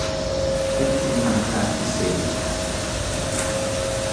พิธีมังคลาภิเษก